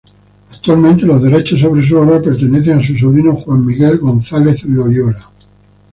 Actualmente, los derechos sobre su obra, pertenecen a su sobrino Juan Miguel González Loyola.